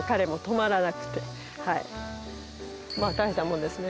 大したもんですね。